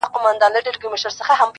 ما به د سترگو کټوري کي نه ساتلې اوبه~